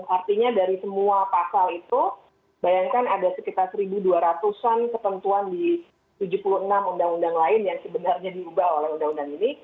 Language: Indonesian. artinya dari semua pasal itu bayangkan ada sekitar satu dua ratus an ketentuan di tujuh puluh enam undang undang lain yang sebenarnya diubah oleh undang undang ini